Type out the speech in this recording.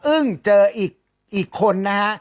อึ้งเจออีกคนนะฮะ